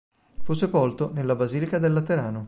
Fu sepolto nella basilica del Laterano.